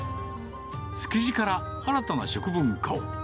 築地から新たな食文化を。